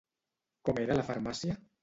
Com era la farmàcia?